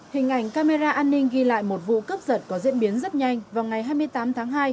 hình ảnh camera an ninh ghi lại một vụ cướp giật có diễn biến rất nhanh vào ngày hai mươi tám tháng hai